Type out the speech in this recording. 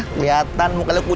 kelihatan mukanya kucel gitu